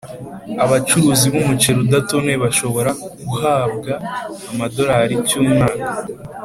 Abacuruzi b umuceri udatonoye bashobora kuhabway amadolari cy umwaka